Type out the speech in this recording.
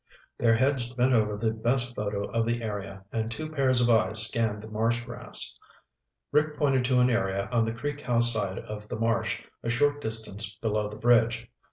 Their heads bent over the best photo of the area and two pairs of eyes scanned the marsh grass. Rick pointed to an area on the Creek House side of the marsh, a short distance below the bridge.